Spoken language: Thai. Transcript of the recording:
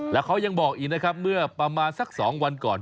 แล้วเขายังบอกอีกนะครับเมื่อประมาณสัก๒วันก่อน